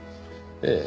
ええ。